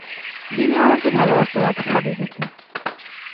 দিনে আমাকে ভালবাসতে রাতে খাদিজাকে।